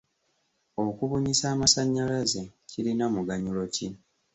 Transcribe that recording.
Okubunyisa amasannyalaze kirina muganyulo ki?